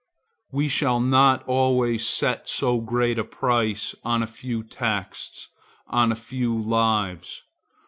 We shall not always set so great a price on a few texts, on a few lives.